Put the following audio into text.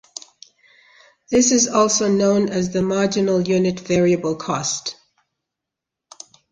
This is also known as the marginal unit variable cost.